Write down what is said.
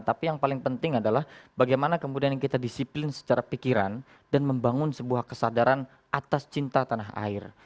tapi yang paling penting adalah bagaimana kemudian kita disiplin secara pikiran dan membangun sebuah kesadaran atas cinta tanah air